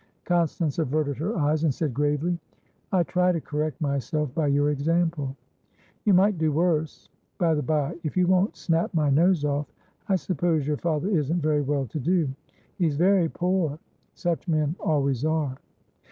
Constance averted her eyes, and said gravely: "I try to correct myself by your example." "You might do worse. By the byeif you won't snap my nose offI suppose your father isn't very well to do?" "He's very poor. Such men always are."